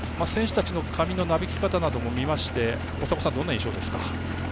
選手たちの髪のなびきなども見まして大迫さん、どんな印象ですか？